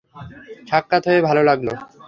সাক্ষাৎ হয়ে ভালো লাগল!